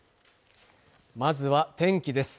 まずは天気です